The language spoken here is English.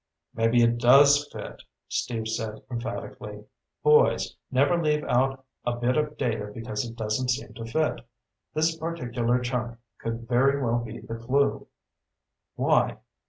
"Maybe it does fit," Steve said emphatically. "Boys, never leave out a bit of data because it doesn't seem to fit. This particular chunk could very well be the clue." "Why?"